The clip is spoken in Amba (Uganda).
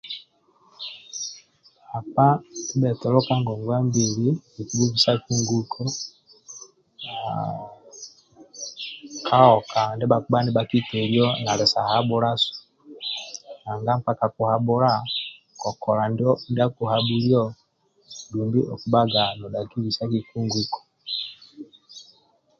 Bhakpa ndibhetolo ka ngongwa mbili kikibhubisaku nguko haaa ka oka ndia bhakikitolia nali sa habhulasu nanga nkpa kakuhabhula kokola ndia akuhabhulio okubhaga nodhaki bisakiku nguko